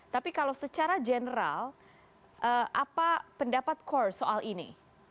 tapi kalau secara general apa pendapat core soal ini